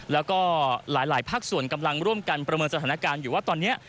แล้วก็หลายภาคส่วนกำลังร่วมกันประเมินสถานการณ์อยู่ว่าตอนนี้